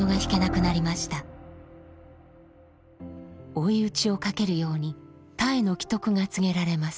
追い打ちをかけるようにたえの危篤が告げられます